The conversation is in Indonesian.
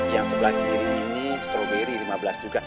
yang sebelah kiri ini stroberi lima belas juga